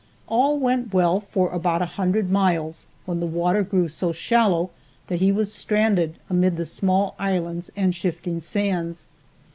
All went well for about a hundred miles, when the water grew so shallow that he was stranded amid the small islands and shifting sands.